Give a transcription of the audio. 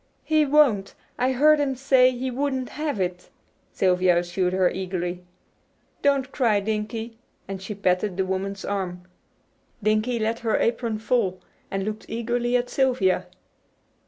"He won't! I heard him say he wouldn't have it," Sylvia assured her eagerly. "Don't cry, Dinkie," and she patted the woman's arm. Dinkie let her apron fall and looked eagerly at Sylvia.